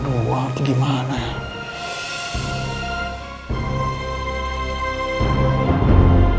yang itu diahot